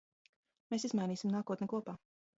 Mēs izmainīsim nākotni kopā.